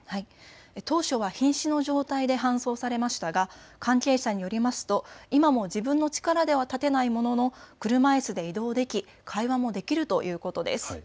当初はひん死の状態で搬送されましたが関係者によると、今も自分の力では立てないものの車いすで移動でき会話もできるということです。